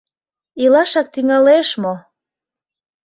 Илашак тӱҥалеш мо!..